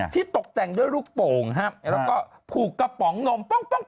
ที่ตกแต่งด้วยลูกโป่งแล้วก็ผูกกระป๋องนม